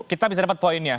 kita bisa dapat poinnya